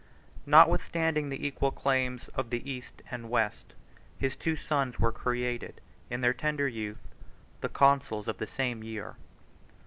Notwithstanding the equal claims of the East and West, his two sons were created, in their tender youth, the consuls of the same year.